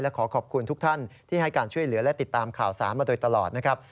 ขอขอบคุณทุกท่านที่ให้การช่วยเหลือและติดตามข่าวสารมาโดยตลอดนะครับ